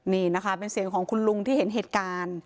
นี่นะคะเป็นเสียงของคุณลุงที่เห็นเหตุการณ์